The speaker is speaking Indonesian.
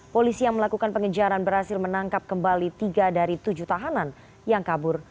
polisi yang melakukan pengejaran berhasil menangkap kembali tiga dari tujuh tahanan yang kabur